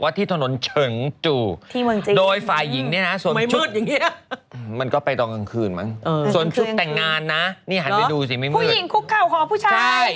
ผู้หญิงคุกเข่าของผู้ชาย